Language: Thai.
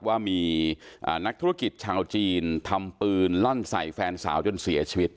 ว่ามีนักธุรกิจชาวจีนทำปืนลั่นใส่แฟนสาวจนเสียชีวิต